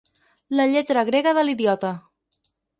La lletra grega de l'idiota.